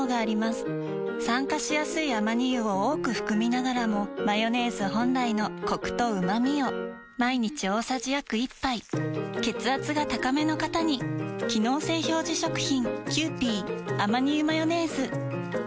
酸化しやすいアマニ油を多く含みながらもマヨネーズ本来のコクとうまみを毎日大さじ約１杯血圧が高めの方に機能性表示食品皆様。